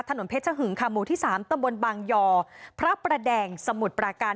ถนนเพชรหึงค๓ตบบางยพระประแดงสมุทรประการ